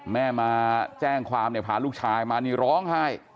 แม่มาแจ้งความเนี่ยพาลูกชายมานี่ร้องไห้